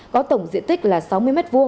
có tổng diện tích là sáu mươi m hai